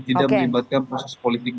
tidak melibatkan proses politik